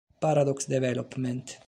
Paradox Development